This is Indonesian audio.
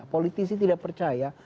politisi tidak percaya